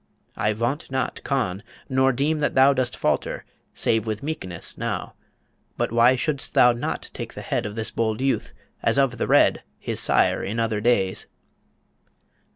I vaunt not Conn ... nor deem that thou Dost falter, save with meekness, now But why shouldst thou not take the head Of this bold youth, as of The Red, His sire, in other days?"